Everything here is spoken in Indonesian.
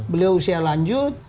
beliau usia lanjut